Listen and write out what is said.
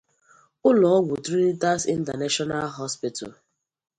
ụlọọgwụ 'Trinitas International Hospital